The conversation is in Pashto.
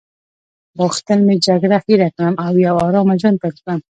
غوښتل مې جګړه هیره کړم او یو آرامه ژوند پیل کړم.